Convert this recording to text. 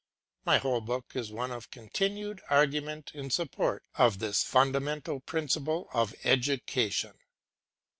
My whole book is one continued argument in support of this fundamental principle of education.